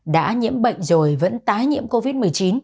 đã nhiễm bệnh rồi vẫn tái nhiễm covid một mươi chín